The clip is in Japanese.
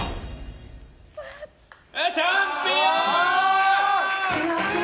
チャンピオン！